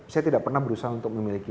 saya tidak pernah berusaha untuk memiliki